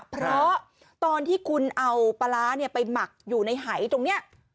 เพราะตอนที่คุณเอาปลาร้าไปหมักอยู่ในหายตรงนี้